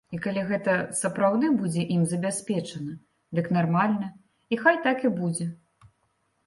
І калі гэта сапраўды будзе ім забяспечана, дык нармальна, і хай так і будзе.